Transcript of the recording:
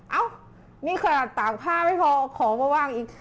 เอ้านี่ค่ะตากผ้าไม่พอของมาวางอีก